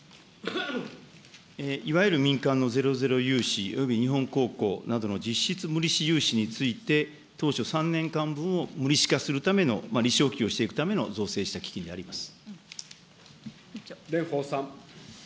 いわゆる民間のゼロゼロ融資、およびなどの実質無利子融資について、当初３年間分を無利子化するための、をしていくためのした基金であります。